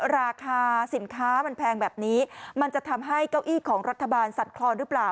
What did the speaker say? ราคาสินค้ามันแพงแบบนี้มันจะทำให้เก้าอี้ของรัฐบาลสั่นคลอนหรือเปล่า